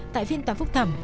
tại phiên tòa phúc thẩm